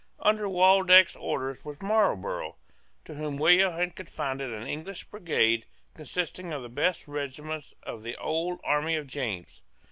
Under Waldeck's orders was Marlborough, to whom William had confided an English brigade consisting of the best regiments of the old army of James.